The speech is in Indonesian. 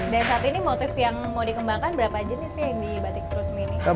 saat ini motif yang mau dikembangkan berapa jenis sih yang dibatik terus mini